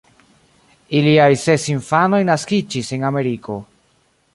Iliaj ses infanoj naskiĝis en Ameriko.